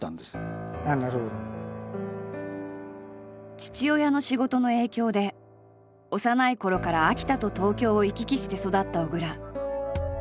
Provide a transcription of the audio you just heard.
父親の仕事の影響で幼いころから秋田と東京を行き来して育った小倉。